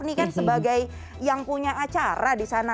ini kan sebagai yang punya acara di sana